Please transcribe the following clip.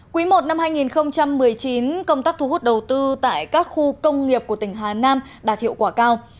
quý i năm hai nghìn một mươi chín công tác thu hút đầu tư tại các khu công nghiệp của tỉnh hà nam đạt hiệu quả cao